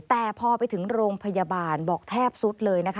แต่พอไปถึงโรงพยาบาลบอกแทบสุดเลยนะคะ